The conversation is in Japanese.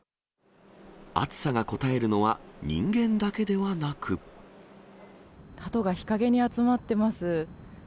暑さがこたえるのは、はとが日陰に集まってます。